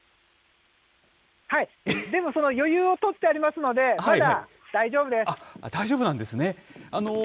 でも余裕を取っておりますのあっ、大丈夫なんですね。